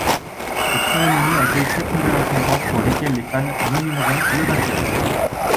Cette cérémonie accueille sept nouvelles récompenses pour lesquelles les fans nomineront le vainqueur.